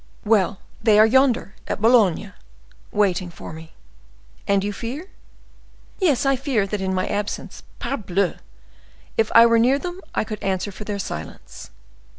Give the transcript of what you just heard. "Well; they are yonder, at Boulogne, waiting for me." "And you fear—" "Yes, I fear that in my absence—Parbleu! If I were near them, I could answer for their silence."